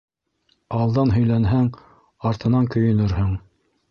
Алдан һөйләнһәң, артынан көйөнөрһөң.